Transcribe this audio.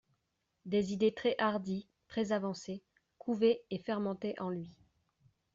Des idées très hardies, très avancées, couvaient et fermentaient en lui.